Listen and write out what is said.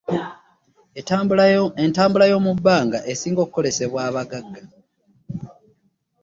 Entambula y'omubbanga esinga kukozesebwa baggaga.